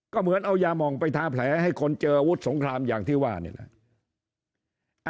ก็เหมือนเอายามองไปทาแผลให้คนเจออาวุธสงครามอย่างที่ว่านี่แหละ